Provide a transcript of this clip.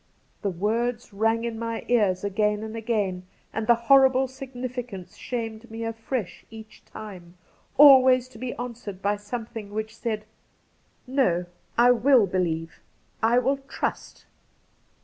, The words rang in my ears again and again, and the horrible significance shamed me afresh each time, always to be answered by something which said, ' No, I will believe ! I will trust